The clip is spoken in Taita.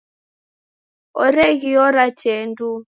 Oreghiora tee nduu.